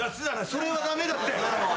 それは駄目だって。